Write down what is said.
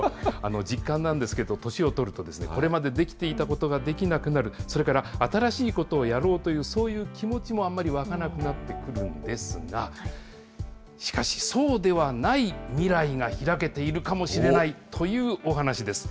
実感なんですけど、年を取ると、これまでできていたことができなくなる、それから新しいことをやろうという、そういう気持ちもあんまり湧かなくなってくるんですが、しかし、そうではない未来が開けているかもしれないというお話です。